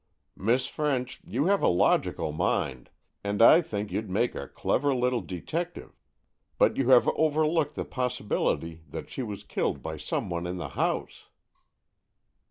"Miss French, you have a logical mind, and I think you'd make a clever little detective. But you have overlooked the possibility that she was killed by some one in the house."